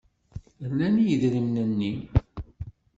Rnan yidrimen-nni.